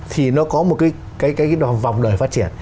thì nó có một cái vòng đời phát triển